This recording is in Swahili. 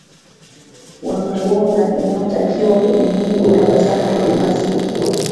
wanga bora inayotakiwa kwenye mwili inapatikana kwenye maziwa